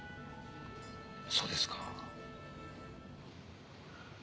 そうですか。